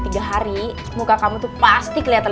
yang sebenarnya ke gros